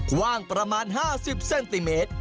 กว้างประมาณ๕๐เซนติเมตร